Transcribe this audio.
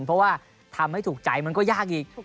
เพราะว่าทำให้ถูกใจมันก็ยากอีก